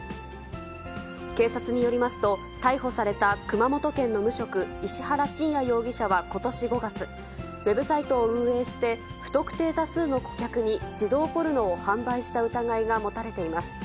警察によりますと、逮捕された熊本県の無職、石原新也容疑者はことし５月、ウェブサイトを運営して、不特定多数の顧客に児童ポルノを販売した疑いが持たれています。